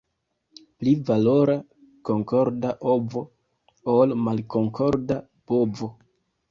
Pli valoras konkorda ovo, ol malkonkorda bovo.